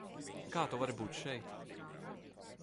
Kā tu vari būt šeit?